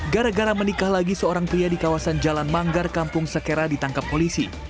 gara gara menikah lagi seorang pria di kawasan jalan manggar kampung sekera ditangkap polisi